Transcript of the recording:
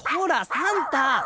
サンタ！